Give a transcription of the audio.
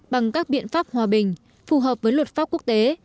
bằng các biện pháp hòa bình phù hợp với luật pháp quốc tế